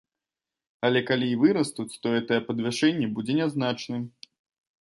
Але калі і вырастуць, то гэтае падвышэнне будзе нязначным.